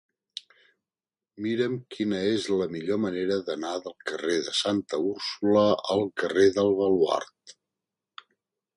Mira'm quina és la millor manera d'anar del carrer de Santa Úrsula al carrer del Baluard.